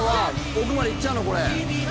奥まで行っちゃうの？